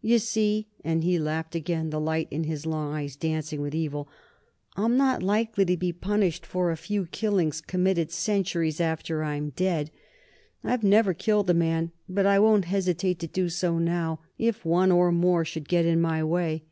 You see," and he laughed again, the light in his long eyes dancing with evil "I'm not likely to be punished for a few killings committed centuries after I'm dead. I have never killed a man, but I won't hesitate to do so now, if one or more should get in my way."